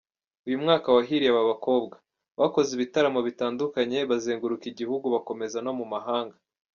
Uyu mwaka wahiriye aba bakobwa; bakoze ibitaramo bitandukanye bazenguraka igihugu bakomereza no mu mahanga.